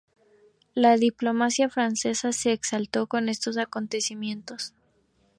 La diplomacia francesa se exaltó con estos acontecimientos.